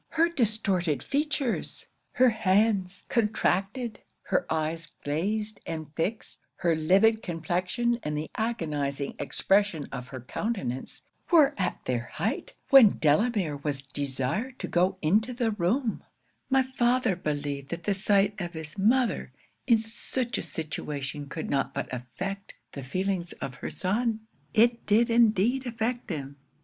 'Her distorted features; her hands contracted, her eyes glazed and fixed, her livid complexion, and the agonizing expression of her countenance, were at their height when Delamere was desired to go into the room: my father believed that the sight of his mother in such a situation could not but affect the feelings of her son. 'It did indeed affect him!